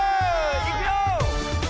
いくよ！